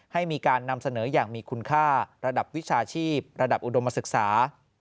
ให้มีการนำเสนออย่างมีคุณค่าระดับวิชาชีพระดับอุดมศึกษา